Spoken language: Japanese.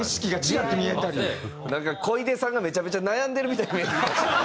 なんか小出さんがめちゃめちゃ悩んでるみたいに。